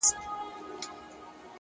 • که انسان چیري تر شا خورجین لیدلای ,